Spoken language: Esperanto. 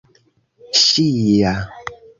ŝia